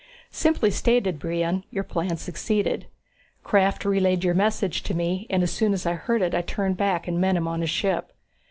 "Simply stated, Brion, your plan succeeded. Krafft relayed your message to me and as soon as I heard it I turned back and met him on his ship.